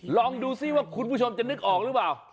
ลองดูซิว่าคุณผู้ชมจะนึกออกหรือเปล่า